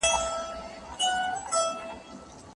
شبنمې زړه مې پر گيا باندې راوښويدی